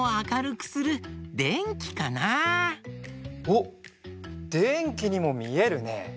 おっでんきにもみえるね。